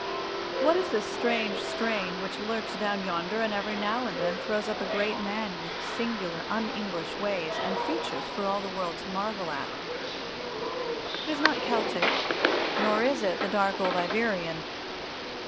What is this strange strain which lurks down yonder and every now and then throws up a great man with singular un English ways and features for all the world to marvel at? It is not Celtic, nor is it the dark old Iberian.